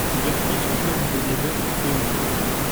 Plusieurs pistes ont d’ores et déjà été ouvertes.